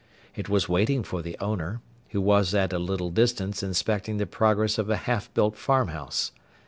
It was waiting for the owner, who was at a little distance inspecting the progress of a half built farm house.